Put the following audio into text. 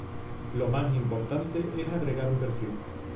Lo más importante es agregar un perfil